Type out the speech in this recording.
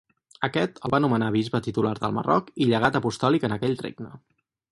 Aquest el va nomenar bisbe titular del Marroc i llegat apostòlic en aquell regne.